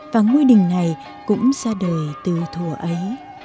và ngôi đình này cũng ra đời từ thùa ấy